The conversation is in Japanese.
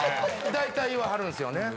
大体言わはるんですよね。